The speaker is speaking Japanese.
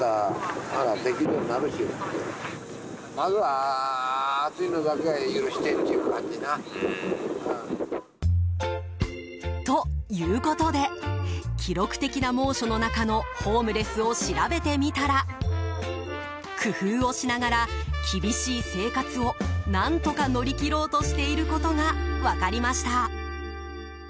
改めて今年の夏について聞いてみると。ということで記録的な猛暑の中のホームレスを調べてみたら工夫をしながら厳しい生活を、何とか乗り切ろうとしていることが分かりました。